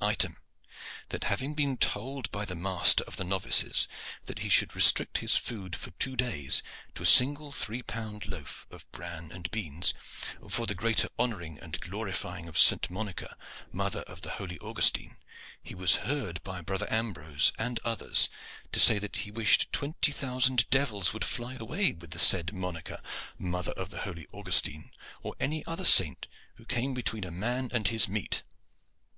"Item, that having been told by the master of the novices that he should restrict his food for two days to a single three pound loaf of bran and beans, for the greater honoring and glorifying of St. Monica, mother of the holy Augustine, he was heard by brother Ambrose and others to say that he wished twenty thousand devils would fly away with the said Monica, mother of the holy Augustine, or any other saint who came between a man and his meat.